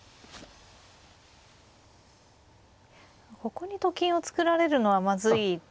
ここにと金を作られるのはまずいですよね。